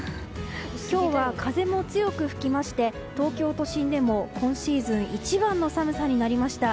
今日は風も強く吹きまして東京都心でも今シーズン一番の寒さになりました。